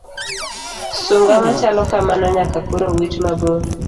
Sung'a machalo kamano nyaka koro wit mabor.